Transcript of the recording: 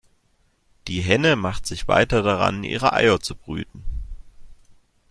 Die Henne machte sich weiter daran, ihre Eier zu brüten.